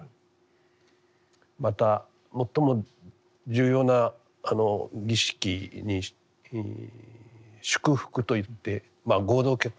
また最も重要な儀式に祝福といって合同結婚式ですね。